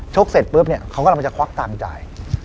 ชกเสร็จปุ๊บเขากำลังจะควักตังจ่าย